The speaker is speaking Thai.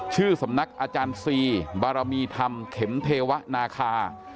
ชื่อสำนักอาจารย์ซีบารมีธรรมเข็มเทวะนาคา